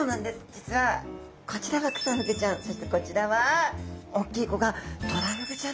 実はこちらがクサフグちゃんそしてこちらはおっきい子がトラフグちゃんなんですね。